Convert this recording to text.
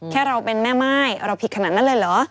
แค่เราเป็นแม่ม่ายเราผิดขนาดนั้นเลยเหรอ